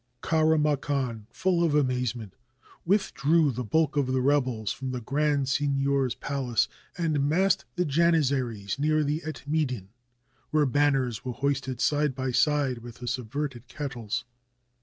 Kara Makan, full of amazement, withdrew the bulk of the rebels from the grand signior's palace and massed the Janizaries near the Etmeidan, where banners were hoisted side by side with the subverted kettles.